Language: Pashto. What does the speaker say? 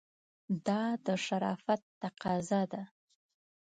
دا د شرافت تقاضا ده.